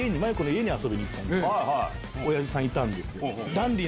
親父さんいたんですよ。